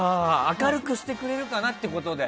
明るくしてくれるかなってことで。